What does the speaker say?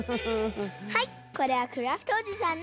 はいこれはクラフトおじさんの。